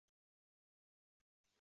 Ustozlar ijodi doim e’tiborda